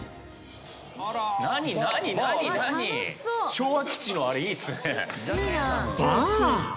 昭和基地のあれいいですね。